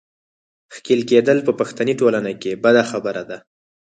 ښېل کېدل په پښتني ټولنه کې بده خبره ده.